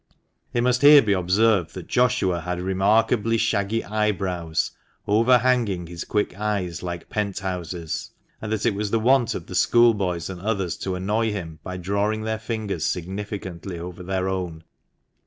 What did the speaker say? It must here be observed that Joshua had remarkably shaggy eyebrows, overhanging his quick eyes like pent houses, and that it was the wont of the schoolboys and others to annoy him by drawing their fingers significantly over their own.